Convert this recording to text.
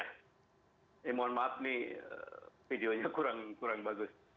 eh mohon maaf nih videonya kurang bagus